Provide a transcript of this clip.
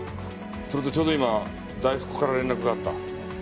それとちょうど今大福から連絡があった。